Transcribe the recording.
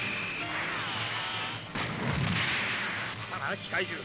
「来たな機械獣。